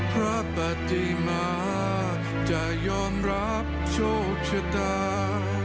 ปฏิมาจะยอมรับโชคชะตา